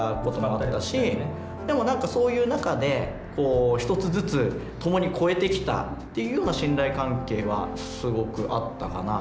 でも何かそういう中で一つずつ共に越えてきたっていうような信頼関係はすごくあったかなあと。